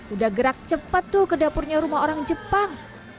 udah gerak cepat tuh ke dapurnya rumah orang jepang